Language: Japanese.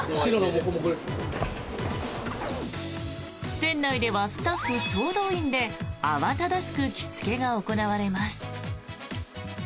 店内ではスタッフ総動員で慌ただしく着付けが行われます。